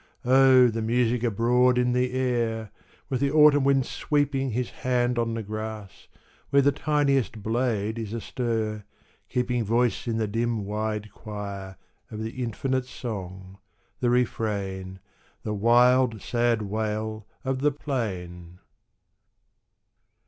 O the music abroad in the air, With the autumn wind sweeping His hand on the grass, where The tiniest blade is astir, keeping Voice in the dim, wide choir, Of the infinite song, the refrain, The wild, sad wail of the plain